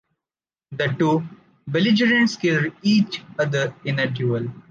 The two belligerents kill each other in the dual.